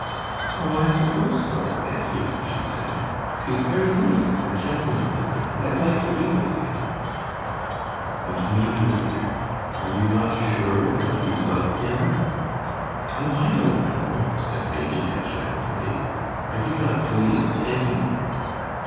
"Oh, I suppose so, auntie," she said. "He's very nice and gentlemanly and I like to be with him " "But, Maimie, dear, are you not sure that you love him?" "Oh, I don't know," said Maimie, petulantly. "Are you not pleased, auntie?"